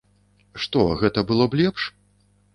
Што, гэта было б лепш?